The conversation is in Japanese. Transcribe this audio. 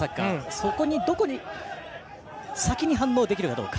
そこに先に反応できるかどうか。